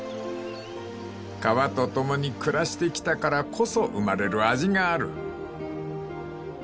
［川と共に暮らしてきたからこそ生まれる味がある］